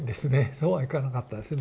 そうはいかなかったですね。